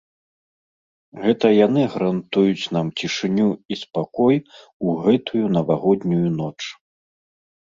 Гэта яны гарантуюць нам цішыню і спакой у гэтую навагоднюю ноч.